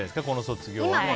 この卒業は。